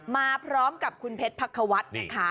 มาพร้อมกับคุณเพชรพักษวรรดิค่ะ